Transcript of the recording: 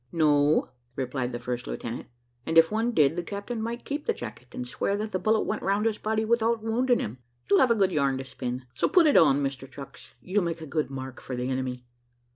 "No," replied the first lieutenant; "and if one did, the captain might keep the jacket, and swear that the bullet went round his body without wounding him. He'll have a good yarn to spin. So put it on, Mr Chucks; you'll make a good mark for the enemy."